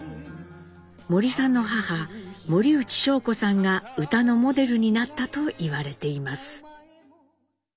森さんの母森内尚子さんが歌のモデルになったと言われています。